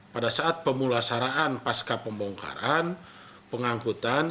pada saat pemulasaraan pasca pembongkaran pengangkutan